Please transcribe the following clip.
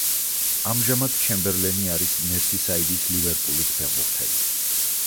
ამჟამად ჩემბერლინი არის მერსისაიდის „ლივერპულის“ ფეხბურთელი.